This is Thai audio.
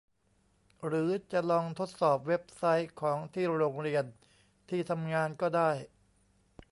หรือจะลองทดสอบเว็บไซต์ของที่โรงเรียน ที่ทำงานก็ได้